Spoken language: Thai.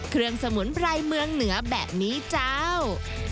เครื่องสมุนไปรเมืองเหนือแบบนี้จ้าว